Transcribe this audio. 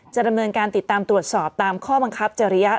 จะดำเนินการติดตามตรวจสอบตามข้อบังคับจริยะ